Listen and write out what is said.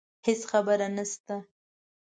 هیڅ خبره نشته